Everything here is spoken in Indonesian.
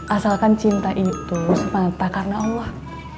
asalkan cinta itu semata karena allah